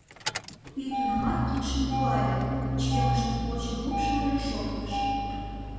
Пий тунамак кидшым нулале, пычкемыште почым лупшымыжо шоктыш.